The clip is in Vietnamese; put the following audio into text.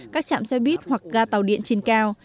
các chạm xe buýt hoặc ga tàu điện trên cao